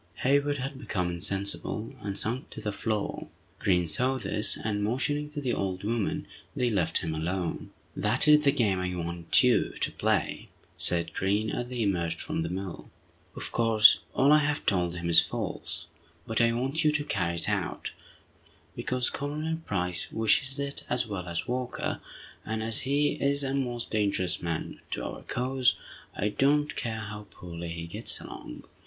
Hayward had become insensible, and sunk to the floor. Green saw this, and motioning to the old woman, they left him alone. "That is the game I want you to play!" said Green, as they emerged from the mill. "Of course, all I have told him is false. But I want you to carry it out, because Colonel Price wishes it as well as Walker, and as he is a most dangerous man to our cause, I don't care how poorly he gets along.